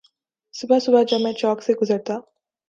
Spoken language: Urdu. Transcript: صبح صبح جب میں چوک سے گزرتا